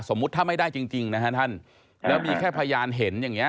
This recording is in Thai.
ถ้าไม่ได้จริงนะฮะท่านแล้วมีแค่พยานเห็นอย่างเงี้